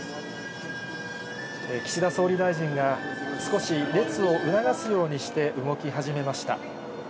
岸田総理大臣が、少し列を促すようにして、動き始めました。